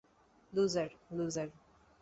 Loser, loser.